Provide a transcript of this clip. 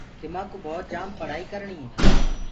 تمآڪوُ ڀوت جآم پڙهآئي ڪرڻي هي۔